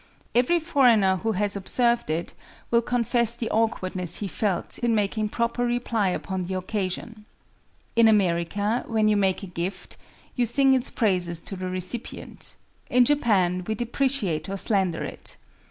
Every foreigner who has observed it will confess the awkwardness he felt in making proper reply upon the occasion. In America, when you make a gift, you sing its praises to the recipient; in Japan we depreciate or slander it.